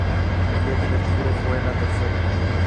El Viaje del Tigre fue la tercera.